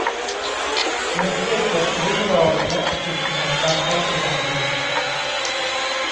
ยังช่วยกลบริ้วรอย และจุดด่างดำได้เป็นอย่างดี